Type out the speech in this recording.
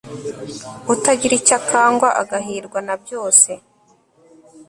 utagira icyo akangwa agahirwa na byose